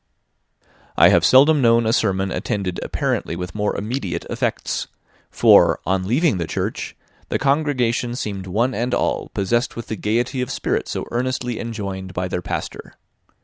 I have seldom known a sermon attended apparently with more immediate effects; for, on leaving the church, the congregation seemed one and all possessed with the gaiety of spirit so earnestly enjoined by their pastor.